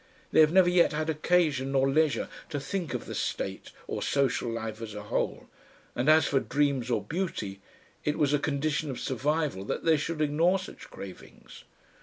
They have never yet had occasion nor leisure to think of the state or social life as a whole, and as for dreams or beauty, it was a condition of survival that they should ignore such cravings.